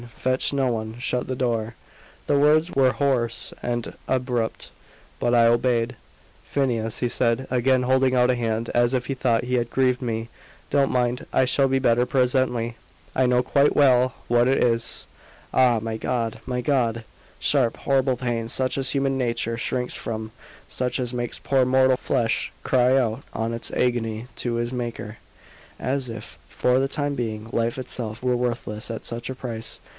Fetch no one. Shut the door." The words were hoarse and abrupt, but I obeyed. "Phineas," he said, again holding out a hand, as if he thought he had grieved me; "don't mind. I shall be better presently. I know quite well what it is ah, my God my God!" Sharp, horrible pain such as human nature shrinks from such as makes poor mortal flesh cry out in its agony to its Maker, as if, for the time being, life itself were worthless at such a price.